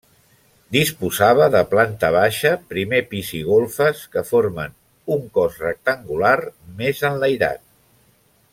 Disposava de planta baixa, primer pis i golfes, que formen un cos rectangular més enlairat.